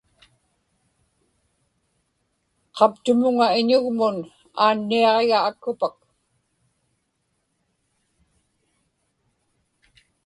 qaptumuŋa iñugmun aanniaġiga akkupak